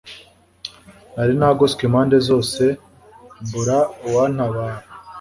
nari nagoswe impande zose, mbura uwantabara